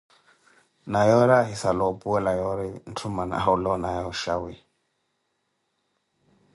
Na yoori ahisala opuwela yoori ntthu mmana awula onaaye oxawi.